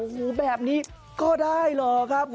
โหแบบนี้ก็ได้หรอกครับ